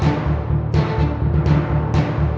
ร้องได้ให้ดัง